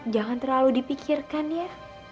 jangan terlalu dipikirkan ya